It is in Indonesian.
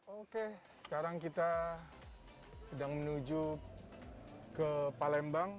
oke sekarang kita sedang menuju ke palembang